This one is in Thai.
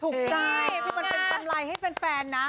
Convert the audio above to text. ถูกได้มันเป็นกำไรให้แฟนนะ